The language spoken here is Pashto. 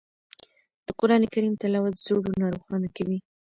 د قرآن کریم تلاوت زړونه روښانه کوي.